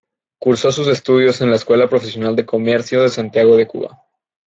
Cursó sus estudios en la Escuela Profesional de Comercio de Santiago de Cuba.